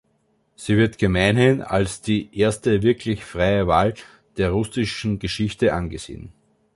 Sie wird gemeinhin als die erste wirklich freie Wahl der russischen Geschichte angesehen.